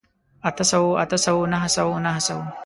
اته سوو، اتو سوو، نهه سوو، نهو سوو